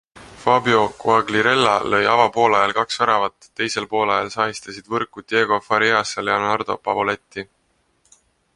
Fabio Quagliarella lõi avapoolajal kaks väravat, teisel poolajal sahistasid võrku Diego Farias ja Leonardo Pavoletti.